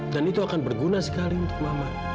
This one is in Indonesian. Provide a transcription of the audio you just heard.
dan itu akan berguna sekali untuk mama